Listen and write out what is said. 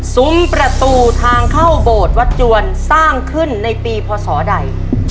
ซุ้มประตูทางเข้าโบสถ์วัดจวนสร้างขึ้นในปีพศใด